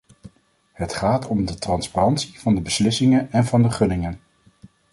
Het gaat om de transparantie van de beslissingen en van de gunningen.